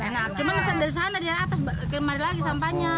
enak cuma dari sana dari atas kembali lagi sampahnya